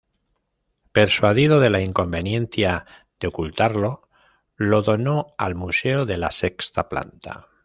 Persuadido de la inconveniencia de "ocultarlo", lo donó al Museo de la Sexta Planta.